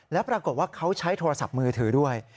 แล้วปรากฏว่าเขาใช้โทรศัพท์มือถือด้วย